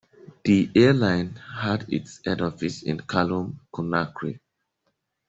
The airline had its head office in Kaloum, Conakry.